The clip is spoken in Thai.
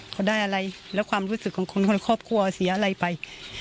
เขาได้อะไรแล้วความรู้สึกของคนคนในครอบครัวเสียอะไรไป